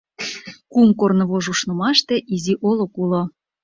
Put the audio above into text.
Кум корнывож ушнымаште изи олык уло.